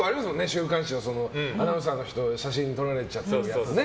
週刊誌でアナウンサーの人が写真を撮られたりするやつね。